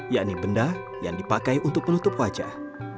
yakni benda yang dipakai untuk penutup wajah